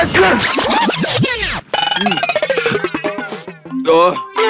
เร็วแม่รีบไปเร็ว